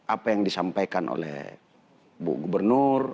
apa yang disampaikan oleh bu gubernur